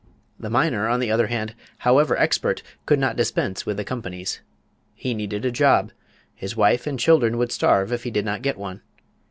The miner, on the other hand, however expert, could not dispense with the companies. He needed a job; his wife and children would starve if he did not get one....